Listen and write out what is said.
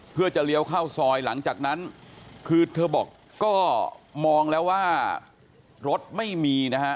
เพื่อจะเลี้ยวเข้าซอยหลังจากนั้นคือเธอบอกก็มองแล้วว่ารถไม่มีนะฮะ